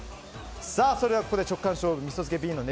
それではここで直感勝負味噌漬けＢの